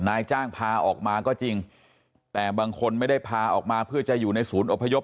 นายจ้างพาออกมาก็จริงแต่บางคนไม่ได้พาออกมาเพื่อจะอยู่ในศูนย์อพยพ